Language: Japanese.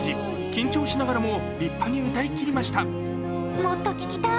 緊張しながらも立派に歌いきりました。